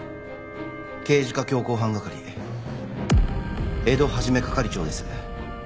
刑事課強行犯係江戸一係長です。